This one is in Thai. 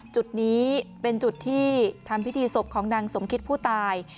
จุดนี้เป็นจุดที่ทำพิธีศพของนางสมคิดผู้ตาย